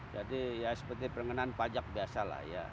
jadi ya seperti pengenaan pajak biasa lah ya